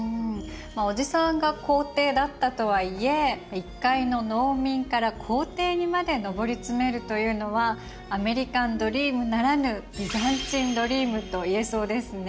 まあおじさんが皇帝だったとはいえ一介の農民から皇帝にまで上り詰めるというのはアメリカンドリームならぬといえそうですね。